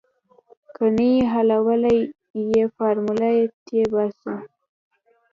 که نه حلالوو يې فارموله تې باسو.